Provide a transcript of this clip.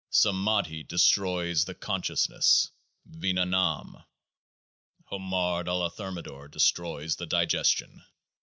Samadhi destroys the consciousness (Vinnanam). Homard a la Thermidor destroys the digestion.